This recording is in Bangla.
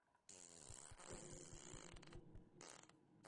ওড়ার জন্য রানওয়েতে বেশ কিছুক্ষণ দাঁড়িয়ে থেকে হঠাৎ দৌড় শুরু করল একটি বিমান।